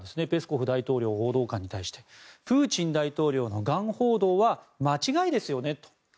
ペスコフ大統領報道官に対してプーチン大統領のがん報道は間違いですよねと。